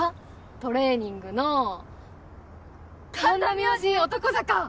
トレーニングの神田明神男坂！